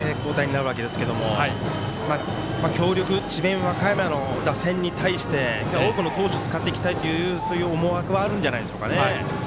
柄目監督もひと回りで交代になるわけですが強力、智弁和歌山の打線に対して多くの投手を使っていきたいという思惑はあるんじゃないでしょうかね。